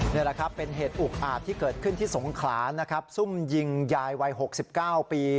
นี่แหละครับเป็นเหตุอุกอาจที่เกิดขึ้นที่สงขลานะครับซุ่มยิงยายวัย๖๙ปี